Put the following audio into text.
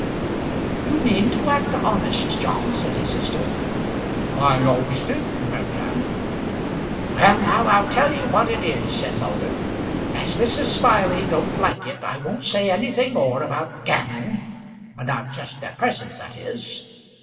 "You mean to act honest, John," said his sister. "I always did, Mary Anne." "Well now, I'll tell you what it is," said Moulder. "As Mrs. Smiley don't like it I won't say anything more about gammon; not just at present, that is."